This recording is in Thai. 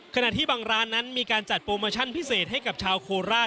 ขณะที่บางร้านนั้นมีการจัดโปรโมชั่นพิเศษให้กับชาวโคราช